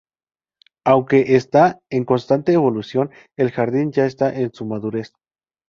Aunque está en constante evolución, el jardín ya está en su madurez.